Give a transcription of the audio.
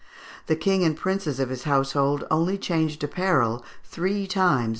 The king and princes of his household only changed apparel three times during the year.